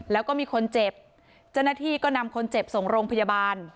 แล้วก็มีคนเจ็บเจ้าหน้าที่ก็นำคนเจ็บส่งโรงพยาบาล